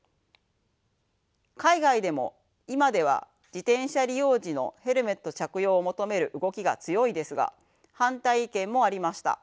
海外でも今では自転車利用時のヘルメット着用を求める動きが強いですが反対意見もありました。